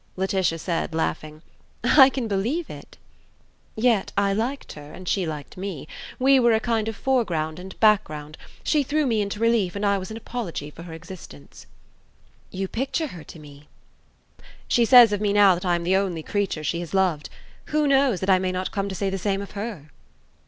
Laetitia said, laughing: "I can believe it!" "Yet I liked her and she liked me: we were a kind of foreground and background: she threw me into relief and I was an apology for her existence." "You picture her to me." "She says of me now that I am the only creature she has loved. Who knows that I may not come to say the same of her?"